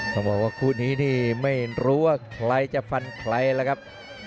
ต้องบอกว่าคู่นี้นี่ไม่รู้ว่าใครจะฟันใครแล้วครับ